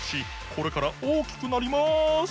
これから大きくなります。